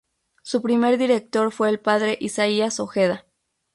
Su primer director fue el padre Isaías Ojeda.